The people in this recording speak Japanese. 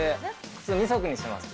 靴２足にします。